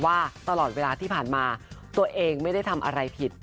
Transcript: ว่าตลอดเวลาที่ผ่านมาตัวเองไม่ได้ทำอะไรผิด